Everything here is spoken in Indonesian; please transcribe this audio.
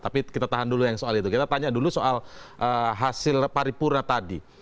tapi kita tahan dulu yang soal itu kita tanya dulu soal hasil paripurna tadi